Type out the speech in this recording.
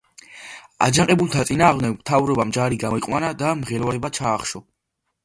აჯანყებულთა წინააღმდეგ მთავრობამ ჯარი გამოიყვანა და მღელვარება ჩაახშო.